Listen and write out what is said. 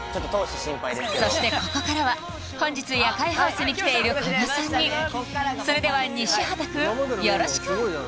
そしてここからは本日夜会ハウスに来ているこの３人それでは西畑くんよろしく！